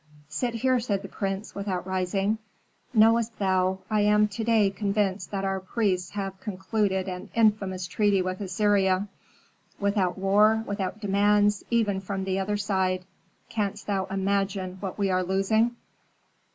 "Sit here," said the prince, without rising. "Knowest thou, I am to day convinced that our priests have concluded an infamous treaty with Assyria; without war, without demands even from the other side! Canst thou imagine what we are losing?"